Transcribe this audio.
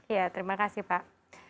iya terima kasih pak